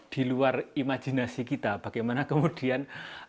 di luar imajinasi kita bagaimana kemudian